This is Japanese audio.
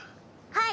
はい。